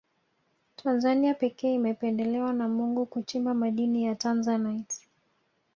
tanzania pekee imependelewa na mungu kuchimba madini ya tanzanite